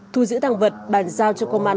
thù giữ tăng vật bản sao cho công an